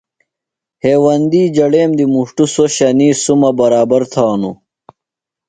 ہیوندی جڑیم دی مُݜٹوۡ سوۡ شنیی سُمہ برابر تھانُوۡ۔